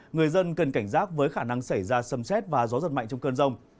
người dân cần cảnh giác với khả năng xảy ra sầm xét và gió giật mạnh trong cơn rông